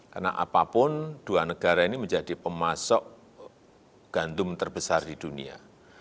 karena apapun dua negara ini menjadi pemasok gantum terbesar di dunia